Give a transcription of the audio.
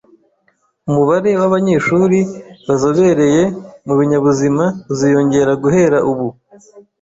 Umubare wabanyeshuri bazobereye mubinyabuzima uziyongera guhera ubu